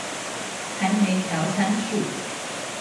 還沒調參數